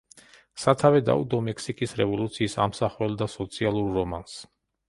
სათავე დაუდო მექსიკის რევოლუციის ამსახველ და სოციალურ რომანს.